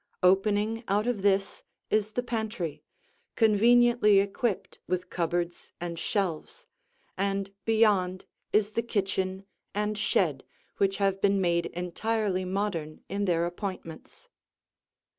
Opening out of this is the pantry, conveniently equipped with cupboards and shelves, and beyond is the kitchen and shed which have been made entirely modern in their appointments.